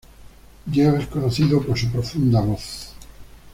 Yeo es conocido por su profunda voz.